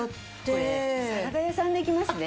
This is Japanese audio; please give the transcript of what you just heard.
これサラダ屋さんできますね。